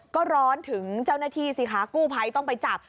ก็ร้อนถึงเจ้าหน้าที่สิคะกู้ภัยต้องไปจับ